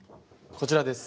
こちらです。